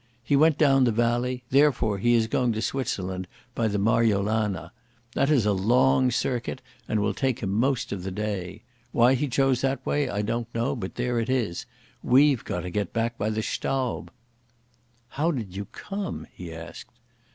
He went down the valley; therefore he is going to Switzerland by the Marjolana. That is a long circuit and will take him most of the day. Why he chose that way I don't know, but there it is. We've got to get back by the Staub." "How did you come?" he asked.